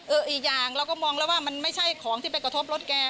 อีกอย่างเราก็มองแล้วว่ามันไม่ใช่ของที่ไปกระทบรถแก